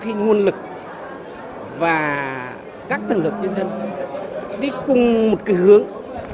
đó là một cái nguồn lực và các tầng lực nhân dân đi cùng một cái hướng